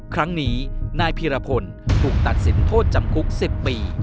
ครั้งนี้นายพีรพลถูกตัดสินโทษจำคุก๑๐ปี